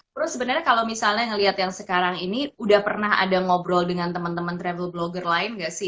terus sebenarnya kalau misalnya ngelihat yang sekarang ini udah pernah ada ngobrol dengan teman teman travel blogger lain nggak sih